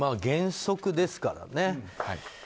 原則ですからね。